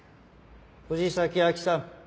藤崎亜季さん